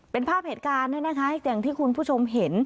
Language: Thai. เป็นภาพเหตุการณ์เนี่ยนะคะอย่างที่คุณผู้ชมเห็น